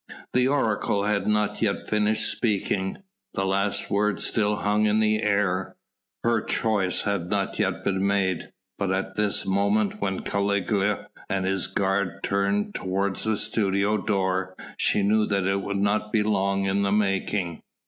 The oracle had not yet finished speaking. The last word still hung in the air. Her choice had not yet been made: but at this moment when Caligula and his guard turned toward the studio door, she knew that it would not be long in the making.